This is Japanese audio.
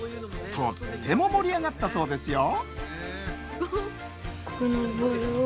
とっても盛り上がったそうですよ。